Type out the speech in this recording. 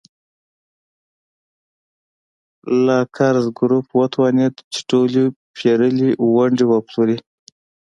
لاکزر ګروپ وتوانېد چې ټولې پېرلې ونډې وپلوري.